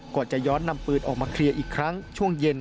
ก่อนจะย้อนนำปืนออกมาเคลียร์อีกครั้งช่วงเย็น